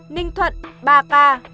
ninh thuận ba ca